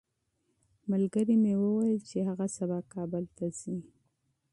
ملګري مې وویل چې هغه سبا کابل ته ځي.